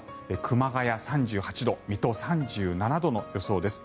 熊谷、３８度水戸、３７度の予想です。